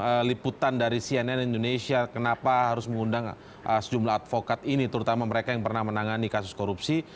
ternyata juga ketika pansus ditanya oleh tim liputan dari cnn indonesia kenapa harus mengundang sejumlah advokat ini terutama mereka yang pernah menangani kasus korupsi